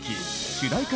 主題歌